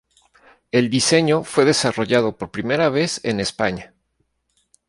El diseño fue desarrollado por primera vez en España.